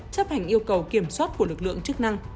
chấp hành yêu cầu kiểm soát của lực lượng chức năng